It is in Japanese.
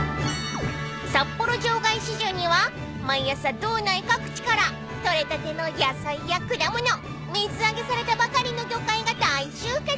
［札幌場外市場には毎朝道内各地から取れたての野菜や果物水揚げされたばかりの魚介が大集結］